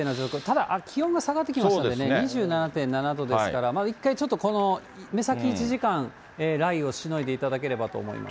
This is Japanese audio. ただ気温が下がってきましたんでね、２７．７度ですから、一回ちょっとこの目先１時間、雷雨をしのいでいただければと思います。